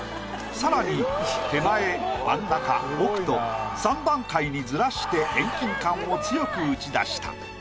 さらに手前真ん中奥と３段階にずらして遠近感を強く打ち出した。